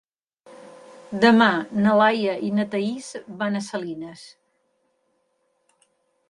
Demà na Laia i na Thaís van a Salines.